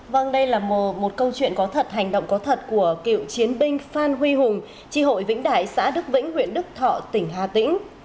vâng đây là một câu chuyện có thật hành động có thật của cựu chiến binh phan huy hùng tri hội vĩnh đại xã đức vĩnh huyện đức thọ tỉnh hà tĩnh